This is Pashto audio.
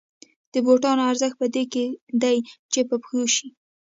د بوټانو ارزښت په دې کې دی چې په پښو شي